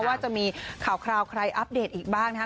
ว่าจะมีข่าวใครอัปเดตอีกบ้างนะครับ